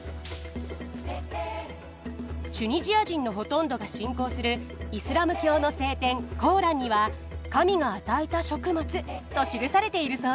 チュニジア人のほとんどが信仰するイスラム教の聖典コーランには「神が与えた食物」と記されているそうよ。